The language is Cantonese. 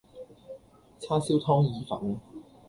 叉燒湯意粉